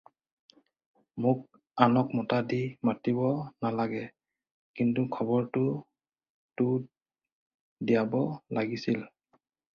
মোক আনক মতা দি মাতিব নালাগে, কিন্তু খবৰটো তো দিয়াব লাগিছিল।